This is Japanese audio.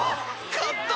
勝った！